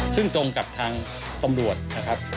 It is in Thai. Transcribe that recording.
ซึ่งตรงกับทางตำรวจนะครับ